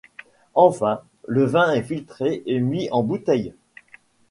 Enfin, le vin est filtré et mis en bouteille.